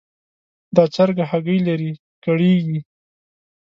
دا چرګه هګۍ لري؛ کړېږي.